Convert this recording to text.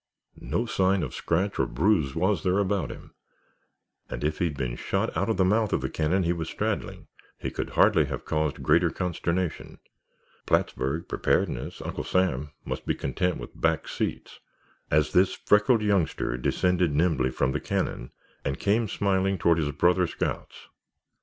No sign of scratch or bruise was there about him, and if he had been shot out of the mouth of the cannon he was straddling he could hardly have caused greater consternation. Plattsburg, preparedness, Uncle Sam, must be content with back seats, as this freckled youngster descended nimbly from the cannon and came smiling toward his brother scouts.